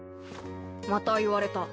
また言われた。